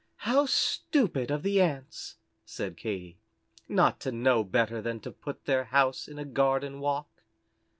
"How stupid of the Ants," said Katy, "not to know better than to put their house in a garden walk."